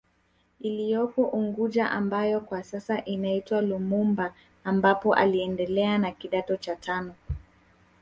Iliyopo unguja ambayo kwa sasa inaitwa Lumumba ambapo aliendelea na kidato cha tano